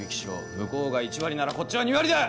向こうが１割ならこっちは２割だ！